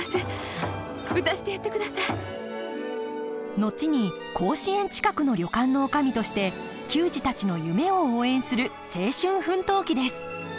後に甲子園近くの旅館の女将として球児たちの夢を応援する青春奮闘記です。